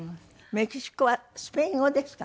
メキシコはスペイン語ですかね？